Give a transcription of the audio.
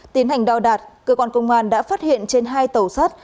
tiến hành đo đạt cơ quan công an đã phát hiện trên hai tàu sắt